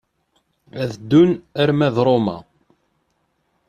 Ad ddun arma d Roma.